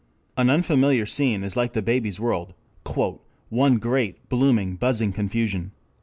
An unfamiliar scene is like the baby's world, "one great, blooming, buzzing confusion."